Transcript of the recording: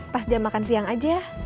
pas jam makan siang aja